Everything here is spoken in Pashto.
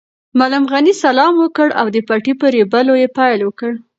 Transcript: معلم غني سلام وکړ او د پټي په رېبلو یې پیل وکړ.